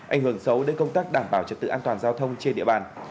ảnh hưởng xấu đến công tác đảm bảo trật tự an toàn giao thông trên địa bàn